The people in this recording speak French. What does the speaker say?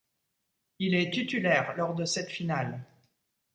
Il est titulaire lors de cette finale.